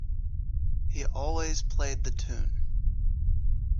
He always played the tune.